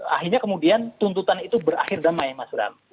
akhirnya kemudian tuntutan itu berakhir damai mas bram